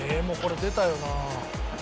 もうこれ出たよな。